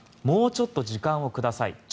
もうちょっと時間をください